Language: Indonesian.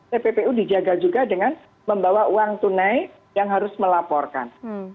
tppu dijaga juga dengan membawa uang tunai yang harus melaporkan